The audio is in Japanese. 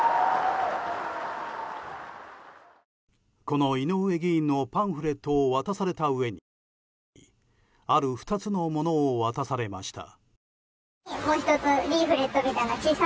この井上議員のパンフレットを渡されたうえにある２つのものを渡されました。